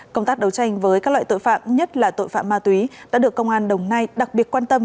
công tác đấu tranh với các loại tội phạm nhất là tội phạm ma túy đã được công an đồng nai đặc biệt quan tâm